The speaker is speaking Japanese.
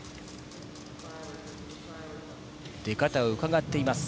出方をうかがっています。